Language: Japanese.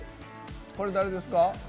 これ、誰ですか？